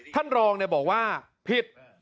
ท่านรองบอกว่าผิด